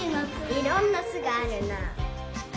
いろんな「す」があるな。